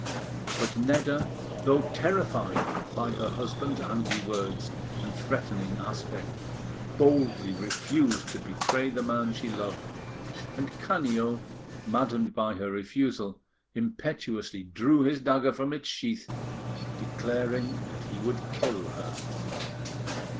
But Nedda, though terrified by her husband's angry words and threatening aspect, boldly refused to betray the man she loved; and Canio, maddened by her refusal, impetuously drew his dagger from its sheath, declaring that he would kill her.